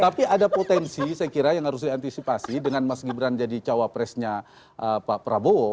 tapi ada potensi saya kira yang harus diantisipasi dengan mas gibran jadi cawapresnya pak prabowo